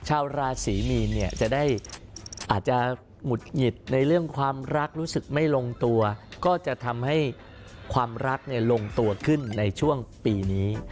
ชาวราศรีมีนเนี่ยจะได้อาจจะหงุดหงิดในเรื่องความรักรู้สึกไม่ลงตัวก็จะทำให้ความรักลงตัวขึ้นในช่วงปีนี้